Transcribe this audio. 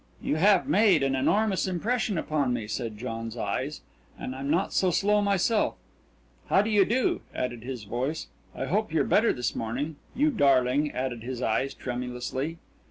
"You have made an enormous impression on me," said John's eyes, "and I'm not so slow myself" "How do you do?" said his voice. "I hope you're better this morning." "You darling," added his eyes tremulously.